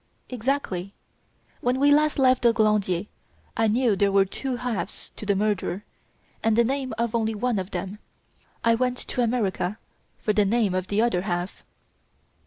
"Exactly. When we last left the Glandier I knew there were two halves to the murderer and the name of only one of them. I went to America for the name of the other half."